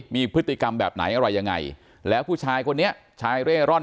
มีพฤติกรรมแบบไหนอะไรยังไงแล้วผู้ชายคนนี้ชายเร่ร่อน